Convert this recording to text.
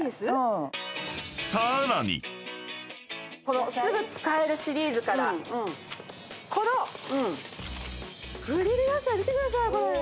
このすぐ使えるシリーズからこのグリル野菜見てください！